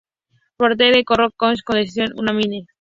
Poirier derrotó a Koch por decisión unánime.